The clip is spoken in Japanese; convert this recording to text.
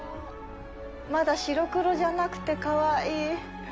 まだ白黒じゃなくてかわいい。